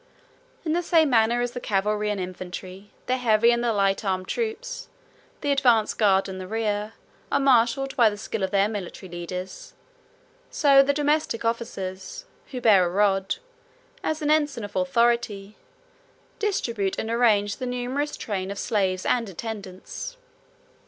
In the same manner as the cavalry and infantry, the heavy and the light armed troops, the advanced guard and the rear, are marshalled by the skill of their military leaders; so the domestic officers, who bear a rod, as an ensign of authority, distribute and arrange the numerous train of slaves and attendants.